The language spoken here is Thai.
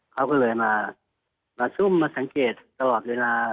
เขาก็เลยมาซุ่มมาสังเกตตลอดเวลา